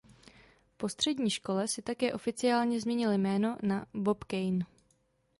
Po střední škole si také oficiálně změnil jméno na Bob Kane.